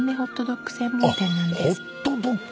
あっホットドッグ！